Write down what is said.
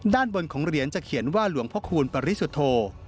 ด้านบนของเหรียญจะเขียนว่าหลวงพระคูณปริสุทธโธ